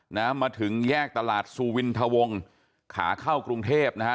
นะฮะมาถึงแยกตลาดซูวินทะวงขาเข้ากรุงเทพนะฮะ